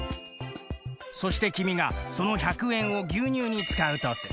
そして君がその１００円を牛乳に使うとする。